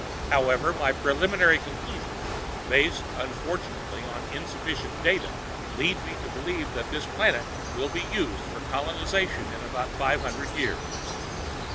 However, my preliminary conclusions based, unfortunately, on insufficient data lead me to believe that this planet will be used for colonization in about five hundred years.